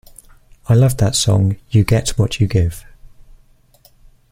I loved that song 'You Get What You Give.